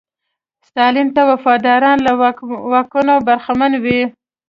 ستالین ته وفاداران له واکونو برخمن وو.